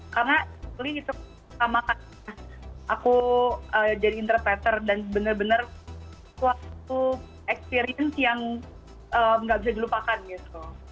karena itu pertama kali aku jadi interpreter dan bener bener suatu experience yang nggak bisa dilupakan gitu